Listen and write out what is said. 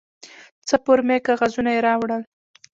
څه فورمې کاغذونه یې راوړل.